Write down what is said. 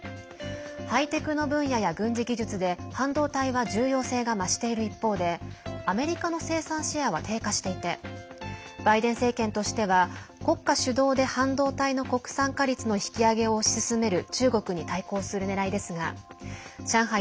ハイテクの分野や軍事技術で半導体は重要性が増している一方でアメリカの生産シェアは低下していてバイデン政権としては国家主導で半導体の国産化率の引き上げを推し進める中国に対抗する狙いですが上海